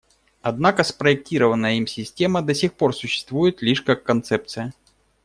Однако спроектированная им система до сих пор существует лишь как концепция.